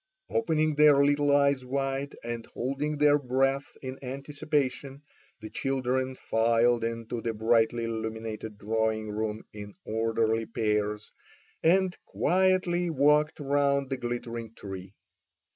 Opening their little eyes wide, and holding their breath in anticipation, the children filed into the brightly illumined drawing room in orderly pairs, and quietly walked round the glittering tree.